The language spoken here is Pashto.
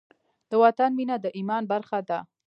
د وطن مینه د ایمان برخه ده.